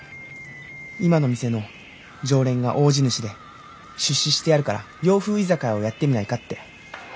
今の店の常連が大地主で出資してやるから洋風居酒屋をやってみないかって。